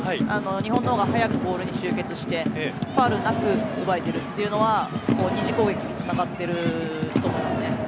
日本の方が早くボールに集結してファウルなく奪い切るというのは２次攻撃につながっているところですね。